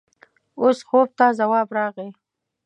اوس خوب ته ځواب راغی.